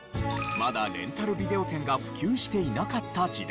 まだレンタルビデオ店が普及していなかった時代。